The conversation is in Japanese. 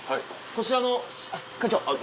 こちらあの会長。